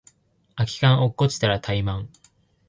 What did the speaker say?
空き缶落っこちたらタイマン